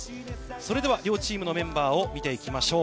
それでは、両チームのメンバーを見ていきましょう。